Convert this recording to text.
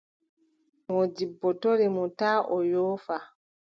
Moodibbo tori mo taa o yoofa.